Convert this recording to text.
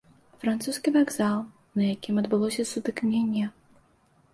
Французскі вакзал, на якім адбылося сутыкненне.